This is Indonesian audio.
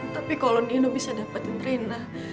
tapi kalau nino bisa dapetin rena